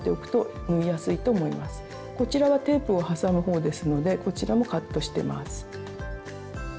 こちらはテープを挟むほうですのでこちらもカットしてます。